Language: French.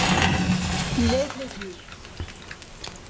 Lève les yeux!